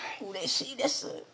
うれしいです